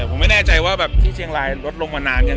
แต่ผมไม่แน่ใจว่าแบบที่เชียงรายลดลงมานานยัง